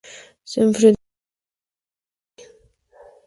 Se enfrentó a la demócrata Mary Lou Kearns.